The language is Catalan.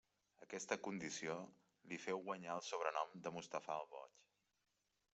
Aquesta condició li féu guanyar el sobrenom de Mustafà el Boig.